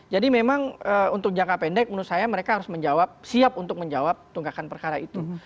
jadi memang untuk jangka pendek menurut saya mereka harus menjawab siap untuk menjawab tunggakan perkara itu